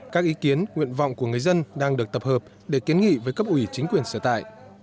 các ý kiến nguyện vọng của người dân đang được tập hợp để kiến nghị với cấp ủy chính quyền sở tại